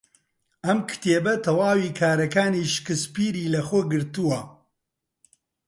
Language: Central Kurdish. ئەم کتێبە تەواوی کارەکانی شکسپیری لەخۆ گرتووە.